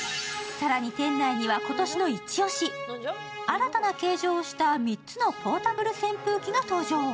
更に店内には今年のイチオシ、新たな形状をした３つのポータブル扇風機が登場。